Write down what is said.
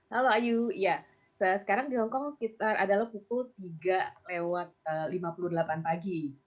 halo ayu ya sekarang di hongkong sekitar adalah pukul tiga lewat lima puluh delapan pagi